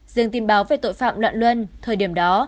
riêng tin báo về tội phạm loạn luân thời điểm đó